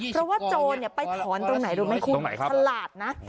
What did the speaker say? เพราะว่าโจรไปถอนตรงไหนรู้ไหมคุณฉลาดนะ